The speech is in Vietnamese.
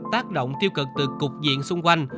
tác động tiêu cực từ cục diện xung quanh